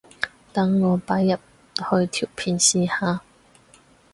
等我擺入去條片試下